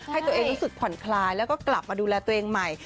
ให้ตัวเองรู้สึกผ่อนคลายแล้วก็กลับมาดูแลตัวเองใหม่